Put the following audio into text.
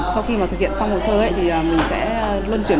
sau khi thực hiện xong hồ sơ mình sẽ luân chuyển